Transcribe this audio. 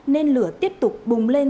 nên lửa tiếp tục bùng lên